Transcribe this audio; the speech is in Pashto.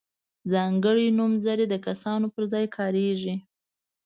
ځانګړي نومځري د کسانو پر ځای کاریږي.